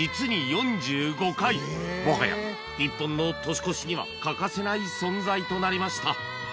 もはや日本の年越しには欠かせない存在となりました